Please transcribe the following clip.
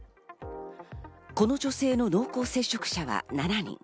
この女性の濃厚接触者は７人。